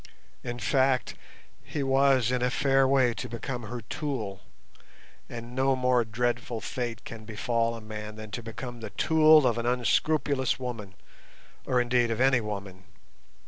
In fact, he was in a fair way to become her tool—and no more dreadful fate can befall a man than to become the tool of an unscrupulous woman, or indeed of any woman.